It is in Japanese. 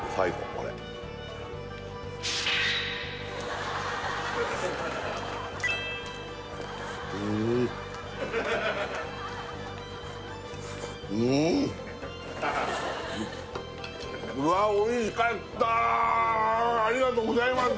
これうんありがとうございます